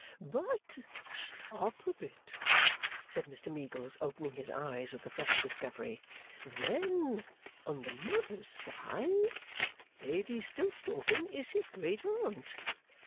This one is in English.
'But stop a bit!' said Mr Meagles, opening his eyes with a fresh discovery. 'Then on the mother's side, Lady Stiltstalking is his great aunt.